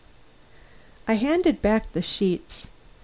I handed back the sheets.